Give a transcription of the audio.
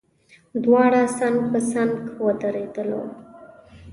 دواړه څنګ په څنګ ودرېدلو.